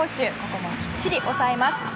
ここもきっちり抑えます。